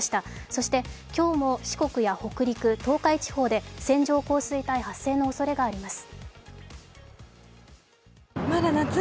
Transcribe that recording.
そして今日も四国や北陸、東海地方で線状降水帯発生のおそれがあります。